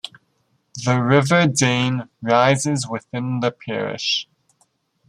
The River Dane rises within the parish.